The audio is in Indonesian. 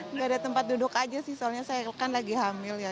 nggak ada tempat duduk aja sih soalnya saya kan lagi hamil ya